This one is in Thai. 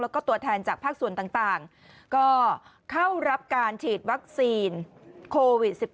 แล้วก็ตัวแทนจากภาคส่วนต่างก็เข้ารับการฉีดวัคซีนโควิด๑๙